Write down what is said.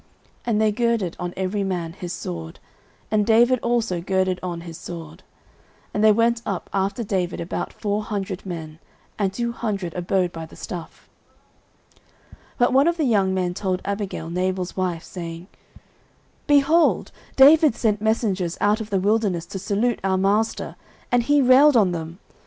And they girded on every man his sword; and David also girded on his sword: and there went up after David about four hundred men; and two hundred abode by the stuff. 09:025:014 But one of the young men told Abigail, Nabal's wife, saying, Behold, David sent messengers out of the wilderness to salute our master; and he railed on them.